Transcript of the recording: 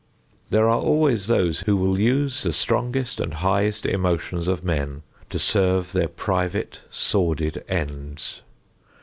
There are always those who will use the strongest and highest emotions of men to serve their private, sordid ends.